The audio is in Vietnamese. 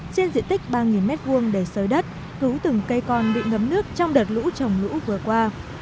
trên diện tích ba m hai để sới đất cứu từng cây con bị ngấm nước trong đợt lũ trồng lũ vừa qua